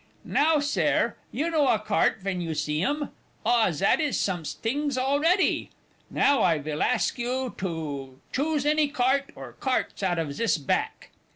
_) Now, Sare, you know a cart ven you see 'im? Ah, zat is somtings alretty! Now I vill ask you to choose any cart or carts out of zis back.